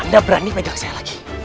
anda berani megang saya lagi